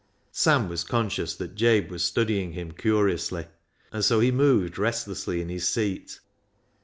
Sam was conscious that Jabe was studying him curiously, and so he moved restlessly in his seat.